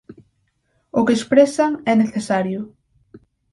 O que expresan é necesario.